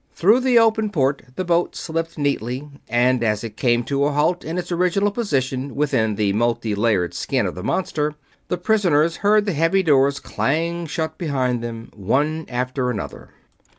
Through the open port the boat slipped neatly, and as it came to a halt in its original position within the multi layered skin of the monster, the prisoners heard the heavy doors clang shut behind them, one after another.